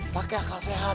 pakai akal sehat